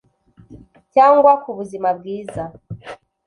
cyangwa kubuzima bwiza